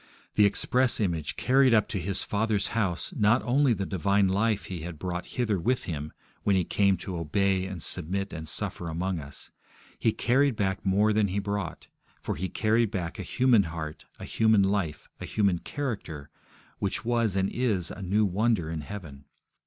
The Express Image carried up to His Father's House, not only the divine life He had brought hither with Him when He came to obey and submit and suffer among us; He carried back more than He brought, for He carried back a human heart, a human life, a human character, which was and is a new wonder in heaven.